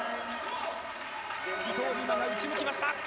伊藤美誠が打ち抜きました。